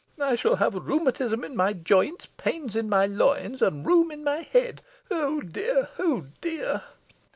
I shall have rheumatism in my joints, pains in my loins, and rheum in my head, oh dear oh dear!"